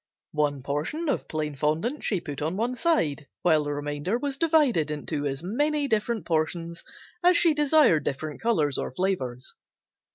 One portion of plain fondant she put on one side while the remainder was divided into as many different portions as she desired different colors or flavors.